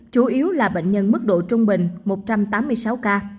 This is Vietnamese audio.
chủ yếu là bệnh nhân mức độ trung bình một trăm tám mươi sáu ca